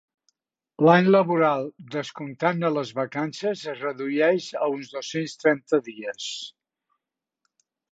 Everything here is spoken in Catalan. L'any laboral, descomptant-ne les vacances, es redueix a uns dos-cents trenta dies.